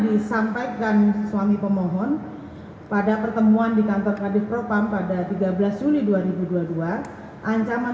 disampaikan suami pemohon pada pertemuan di kantor kadif propam pada tiga belas juli dua ribu dua puluh dua ancaman